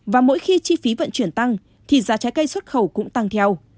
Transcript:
và mỗi khi chi phí vận chuyển tăng thì giá trái cây xuất khẩu cũng tăng theo